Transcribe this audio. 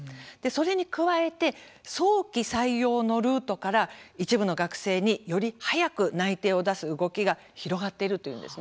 それに加えて早期採用のルートから一部の学生により早く内定を出す動きが広がっているというんです。